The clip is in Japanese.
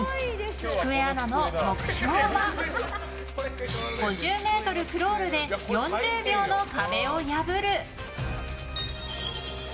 喜久恵アナの目標は５０ｍクロールで４０秒の壁を破る！